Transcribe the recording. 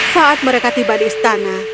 saat mereka tiba di istana